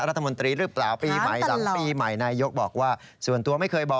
จับมือกันทำงานเลย